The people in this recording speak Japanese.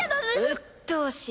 うっとうしい。